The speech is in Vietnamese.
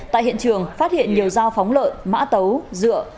tại hiện trường phát hiện nhiều dao phóng lợi mã tấu dựa